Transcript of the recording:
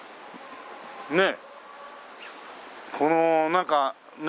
ねえ。